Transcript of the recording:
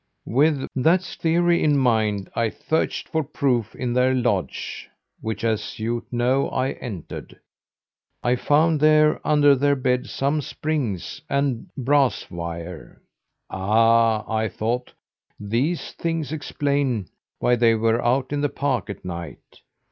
"With that theory in my mind, I searched for proof in their lodge, which, as you know, I entered. I found there under their bed, some springs and brass wire. 'Ah!' I thought, 'these things explain why they were out in the park at night!